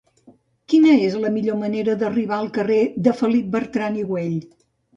Quina és la millor manera d'arribar al carrer de Felip Bertran i Güell?